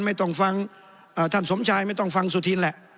ไม่ต้องฟังท่านสมชายไม่ต้องฟังสุธินแหละ